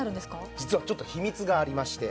実はちょっと秘密がありまして。